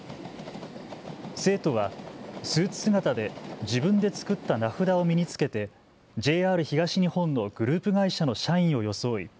生徒はスーツ姿で自分で作った名札を身に着けてＪＲ東日本のグループ会社の社員を装い